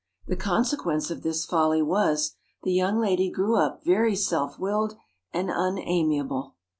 The consequence of this folly was, the young lady grew up very self willed and unamiable.